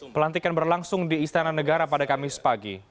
pelantikan berlangsung di istana negara pada kamis pagi